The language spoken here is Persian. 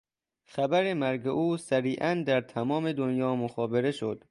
خبر مرگ او سریعا در تمام دنیا مخابره شد.